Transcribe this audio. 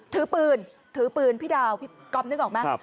ถือปืนพี่ดาวพี่กอมนึกออกไหม